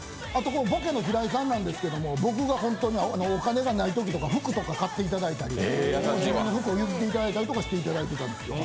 ボケの平井さんなんですけども僕がお金ないときとか、服とか買っていただいたり自分の服を譲っていただいたりしたんですよ。